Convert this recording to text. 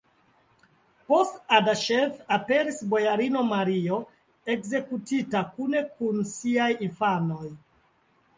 Post Adaŝev aperis bojarino Mario, ekzekutita kune kun siaj infanoj.